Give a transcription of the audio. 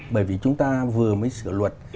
bởi vì chúng ta vừa mới sửa luật